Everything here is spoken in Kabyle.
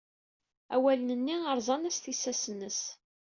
Awalen-nni rẓan-as tissas-nnes.